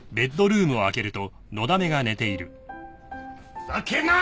ふざけんな！